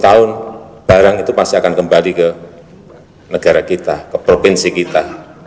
dua puluh tahun barang itu pasti akan kembali ke negara kita ke provinsi kita